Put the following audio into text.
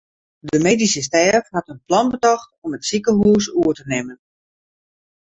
De medyske stêf hat in plan betocht om it sikehûs oer te nimmen.